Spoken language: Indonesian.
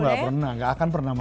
oh gak pernah gak akan pernah mati